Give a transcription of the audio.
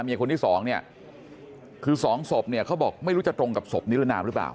แล้วมีคนที่๒คือ๒ศพเขาบอกไม่รู้จะตรงกับศพนิรนามหรือเปล่า